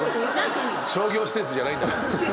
商業施設じゃないんだから。